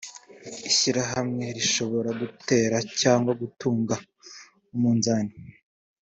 ishyirahamwe rishobora gutira cyangwa gutunga umunzani